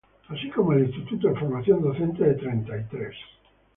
Así como el Instituto de Formación docente de Treinta y Tres.